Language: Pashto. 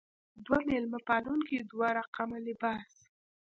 دوه مېلمه پالونکې دوه رقمه لباس.